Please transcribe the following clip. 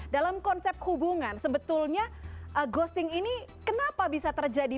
dalam konsep hubungan sebetulnya ghosting ini kenapa bisa terjadi